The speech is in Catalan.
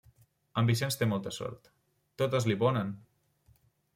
En Vicenç té molta sort. Totes li ponen!